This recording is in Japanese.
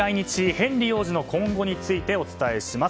ヘンリー王子の今後についてお伝えします。